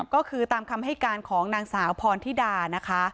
ก็คือตามคำให้การของนางสาวพรธิดานะคะ